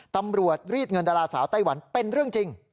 ตำรวจรีดเงินดาราสาวไต้หวันเป็นเรื่องจริง